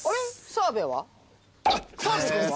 澤部君は？